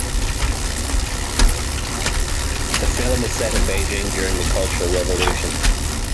The film is set in Beijing during the Cultural Revolution.